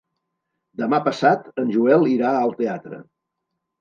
Demà passat en Joel irà al teatre.